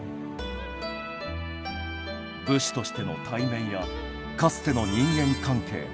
武士としての体面やかつての人間関係。